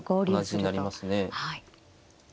同じになりますね。